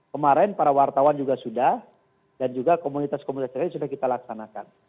kemarin para wartawan juga sudah dan juga komunitas komunitas lain sudah kita laksanakan